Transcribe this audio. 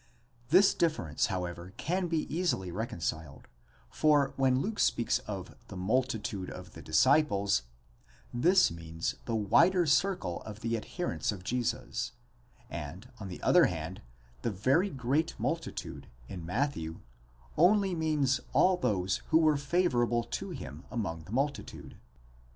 This difference, however, can be easily reconciled ; for when Luke speaks of the multitude of the disciples, πλῆθος τῶν μαθητῶν, this means the wider circle of the adherents of Jesus, and, on the other hand, the very great multitude πλεῖστος ὄχλος in Matthew, only means all those who were favourable to him among the multitude.